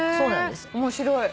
面白い。